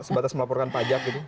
sebatas melaporkan pajak gitu